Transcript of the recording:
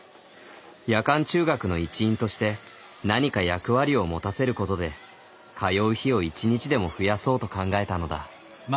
夜間中学の一員として何か役割を持たせることで通う日を一日でも増やそうと考えたのだ。